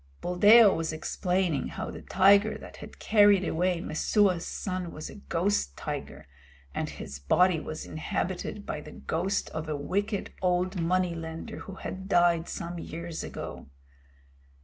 Buldeo was explaining how the tiger that had carried away Messua's son was a ghost tiger, and his body was inhabited by the ghost of a wicked, old money lender, who had died some years ago.